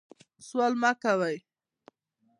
سوال مه کوئ